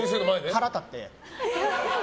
腹立って。